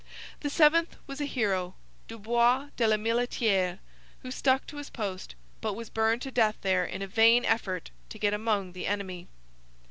The seventh was a hero, Dubois de la Milletiere, who stuck to his post, but was burned to death there in a vain effort to get among the enemy.